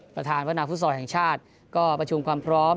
ประธานพัฒนาฟุตซอลแห่งชาติก็ประชุมความพร้อม